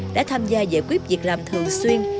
đã tham gia giải quyết việc làm thường xuyên